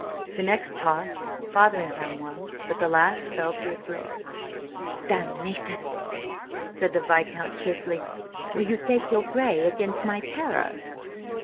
The next toss Fotheringham won, but the last fell to his Grace. "Damnathion!" said the Viscount cheerfully. "Will you thtake your grey againtht my Terror?"